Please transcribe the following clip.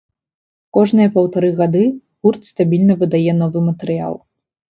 Кожныя паўтары гады гурт стабільна выдае новы матэрыял.